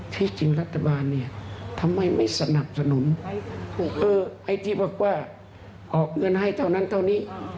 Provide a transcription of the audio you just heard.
ที่จริงรัฐบาลเนี่ยทำไมไม่สนับสนุนไอ้ที่บอกว่าออกเงินให้เท่านั้นเท่านี้